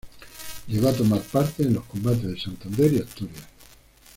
Llegó a tomar parte en los combates de Santander y Asturias.